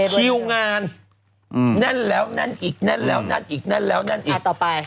คิวงานแน่นแล้วแน่นอีกแน่นแล้วแน่นอีกแน่นแล้วแน่นอีกต่อไป